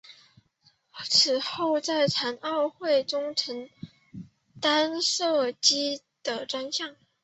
此后在残奥会中承担射击的专项。